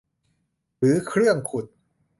หรือเครื่องขุด